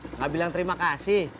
nggak bilang terima kasih